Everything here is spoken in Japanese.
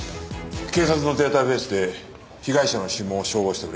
警察のデータベースで被害者の指紋を照合してくれ。